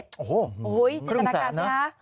โอ้โหครึ่งแสนนะ